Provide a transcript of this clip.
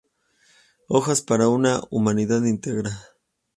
Hojas para una humanidad íntegra.